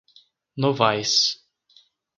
Novais